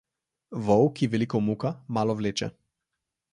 Vol, ki veliko muka, malo vleče.